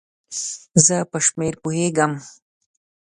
زه په شمېر پوهیږم